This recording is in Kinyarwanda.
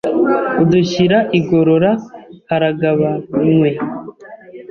Udushyira igorora haragabanywe